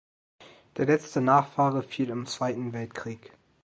Der letzte Nachfahre fiel im Zweiten Weltkrieg.